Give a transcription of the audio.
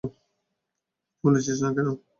কিছু বলছিস না কেন!